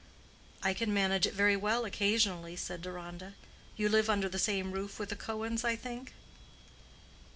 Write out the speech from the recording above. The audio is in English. "I can manage it very well occasionally," said Deronda. "You live under the same roof with the Cohens, I think?"